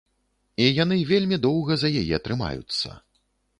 І яны вельмі доўга за яе трымаюцца.